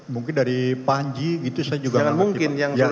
mungkin dari panji itu saya juga